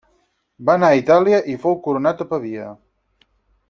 Va anar a Itàlia i fou coronat a Pavia.